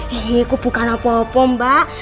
hihi kok bukan apa apa mbak